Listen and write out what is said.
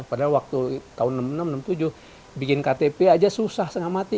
padahal waktu tahun enam puluh enam enam puluh tujuh bikin ktp aja susah sengah mati